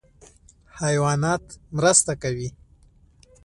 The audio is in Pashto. حیوانات مرسته کوي.